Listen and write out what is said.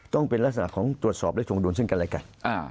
ต้องเป็นลักษณะตรวจสอบด้วยธงรวมซึ่งกันอะไรกัน